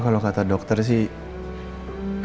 kalau kata dokter sih